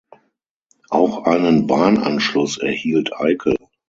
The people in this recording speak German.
Auch einen Bahnanschluss erhielt Eickel.